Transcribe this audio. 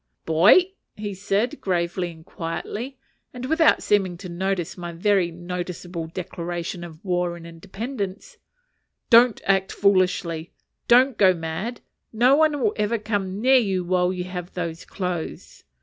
"Boy," said he, gravely and quietly, and without seeming to notice my very noticeable declaration of war and independence, "don't act foolishly; don't go mad. No one will ever come near you while you have those clothes.